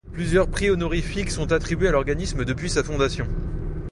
Plusieurs prix honorifiques sont attribués à l'organisme depuis sa fondation.